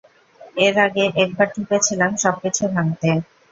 এর আগে একবার ঢুকেছিলাম সবকিছু ভাঙতে।